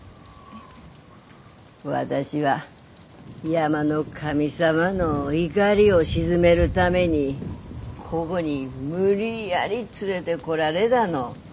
私は山の神様の怒りを鎮めるためにこごに無理やり連れでこられだの。